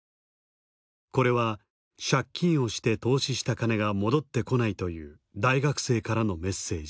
これは借金をして投資した金が戻ってこないという大学生からのメッセージ。